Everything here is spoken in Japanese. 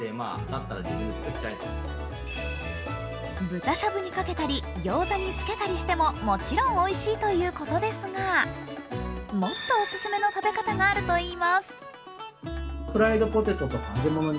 豚しゃぶにかけたり、ギョーザにつたりしてももちろんおいしいということですが、もっとお勧めの食べ方があるといいます。